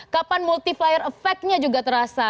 kapan multi fire effect nya juga terasa